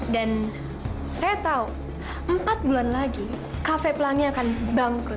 dan saya tahu empat bulan lagi cafe plangnya akan bangkrut